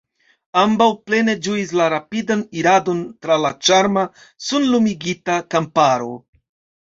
Ambaŭ plene ĝuis la rapidan iradon tra la ĉarma, sunlumigita kamparo.